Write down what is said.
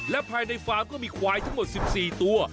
และภายในฟาร์มก็มีควายทั้งหมด๑๔ตัว